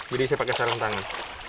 jadi saya pakai sarung tangan